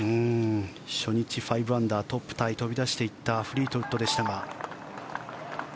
初日５アンダー、トップタイ飛び出していったフリートウッドでしたが。